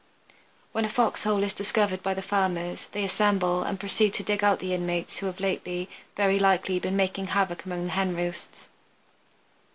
When a fox hole is discovered by the Farmers they assemble and proceed to dig out the inmates who have lately, very likely, been making havoc among the hen roosts.